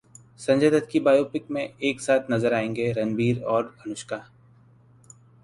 संजय दत्त की बायोपिक में एक साथ नजर आएंगे रणबीर और अनुष्का